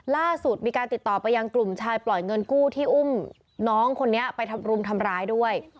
ล่าสุดมีการติดต่อไปยังกลุ่มชายปล่อยเงินกู้ที่อุ้มน้องคนนี้ไปรุมทำร้ายด้วย